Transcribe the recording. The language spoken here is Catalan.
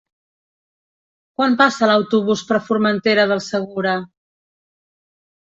Quan passa l'autobús per Formentera del Segura?